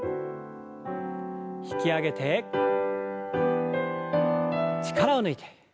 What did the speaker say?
引き上げて力を抜いて。